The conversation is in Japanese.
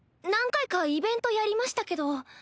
何回かイベントやりましたけど。